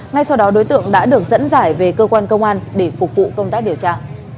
ngay sau đó đối tượng đã được dẫn giải về cơ quan công an để phục vụ công tác điều tra